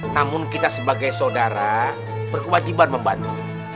namun kita sebagai saudara berkewajiban membantu